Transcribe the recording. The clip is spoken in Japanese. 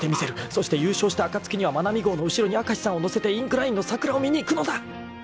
［そして優勝した暁にはまなみ号の後ろに明石さんを乗せてインクラインの桜を見に行くのだ！］